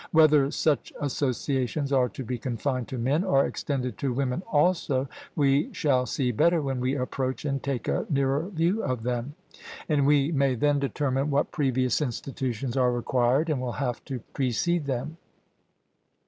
Whether such associations are to be confined to men, or extended to women also, we shall see better when we approach and take a nearer view of them; and we may then determine what previous institutions are required and will have to precede them.